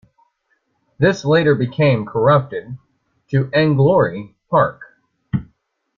This later became corrupted to Englorie Park.